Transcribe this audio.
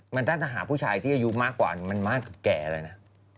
มันถ้าจะหาผู้ชายที่อายุมากกว่ามันมากกว่าแก่เลยนะ